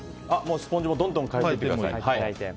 スポンジもどんどん替えていってください。